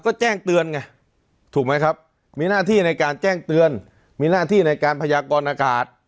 ก็แจ้งเตือนไงถูกไหมครับมีหน้าที่ในการแจ้งเตือนมีหน้าที่ในการพยากรอากาศ